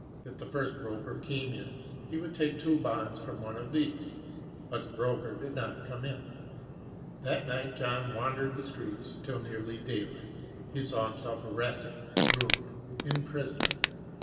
If the first broker came in he would take two bonds from one of these. But the broker did not come in. That night John wandered the streets till nearly daylight. He saw himself arrested, ruined, in prison.